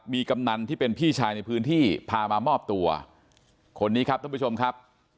มีกำนันที่เป็นพี่ชายในพื้นที่พามามอบตัวคนนี้ครับท่านผู้ชมครับ